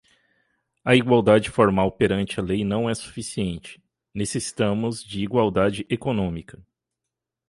A igualdade formal perante a lei não é suficiente, necessitamos de igualdade econômica